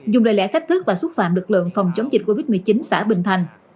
dùng lời lẽ thách thức và xúc phạm lực lượng phòng chống dịch covid một mươi chín xã bình thành